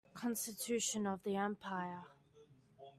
Constitution of the empire.